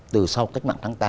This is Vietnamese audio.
từ sau cách mạng tháng tám